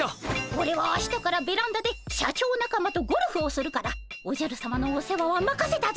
オレは明日からベランダで社長仲間とゴルフをするからおじゃるさまのお世話はまかせたぞ。